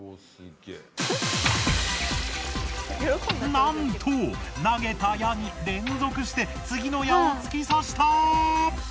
なんと投げた矢に連続して次の矢を突き刺した！